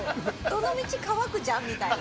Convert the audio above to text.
どのみち乾くじゃん？みたいな。